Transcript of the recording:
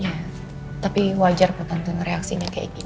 iya tapi wajar betul betul reaksinya kayak gini